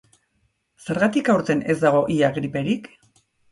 Zergatik aurten ez dago ia griperik?